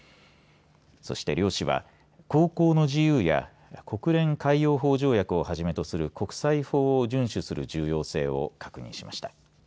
そして両氏は航行の自由や国連海洋法条約をはじめとする国際法を順守する重要性を確認しました。